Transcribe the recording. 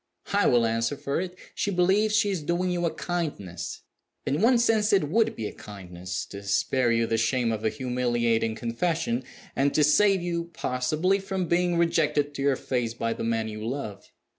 I will answer for it, she believes she is doing you a kindness. In one sense it would be a kindness to spare you the shame of a humiliating confession, and to save you (possibly) from being rejected to your face by the man you love.